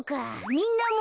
みんなも。